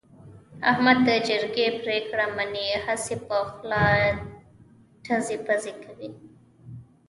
احمد د جرگې پرېکړه مني، هسې په خوله ټزې پزې کوي.